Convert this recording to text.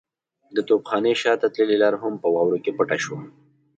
د توپخانې شاته تللې لار هم په واورو کې پټه شوه.